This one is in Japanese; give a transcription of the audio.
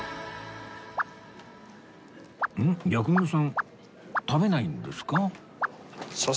薬丸さん食べないんですか？